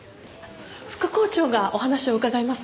副校長がお話を伺いますので。